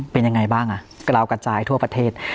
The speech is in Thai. เป็นยังไงบ้างอ่ะกระลาวกระจายทั่วประเทศ